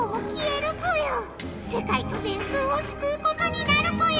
せかいと電空をすくうことになるぽよ！